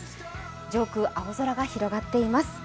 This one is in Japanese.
上空、青空が広がっています。